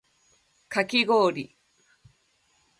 かき氷